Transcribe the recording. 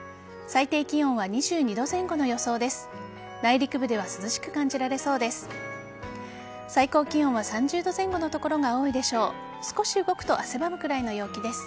最低気温は２２度前後の予想です。